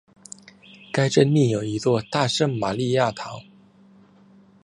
该镇另有一座大圣马利亚堂。